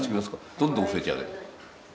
どんどん増えちゃうね。